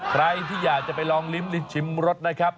ใครที่อยากจะไปลองลิ้มลิ้นชิมรสนะครับ